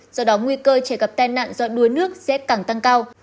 do đó nguy cơ trẻ gặp tai nạn do đuối nước sẽ càng tăng cao